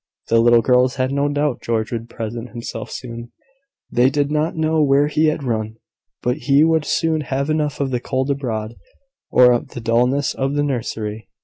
The little girls had no doubt George would present himself soon: they did not know where he had run; but he would soon have enough of the cold abroad, or of the dullness of the nursery.